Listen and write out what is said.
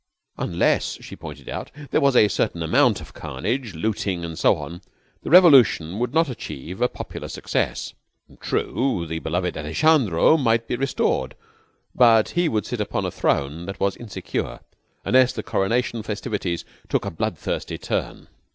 Unless, she pointed out, there was a certain amount of carnage, looting, and so on, the revolution would not achieve a popular success. True, the beloved Alejandro might be restored; but he would sit upon a throne that was insecure, unless the coronation festivities took a bloodthirsty turn.